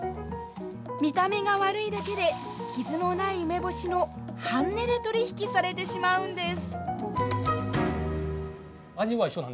見た目が悪いだけで傷のない梅干しの半値で取り引きされてしまうんです。